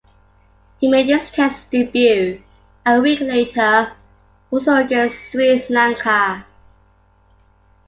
He made his Test debut a week later also against Sri Lanka.